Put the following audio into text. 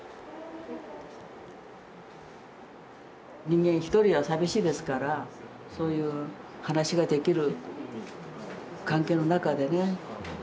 人間ひとりは寂しいですからそういう話ができる関係の中でね。